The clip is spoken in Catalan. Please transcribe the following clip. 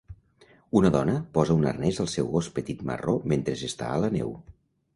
Una dona posa un arnès al seu gos petit marró mentre està a la neu.